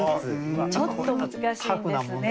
ちょっと難しいんですね。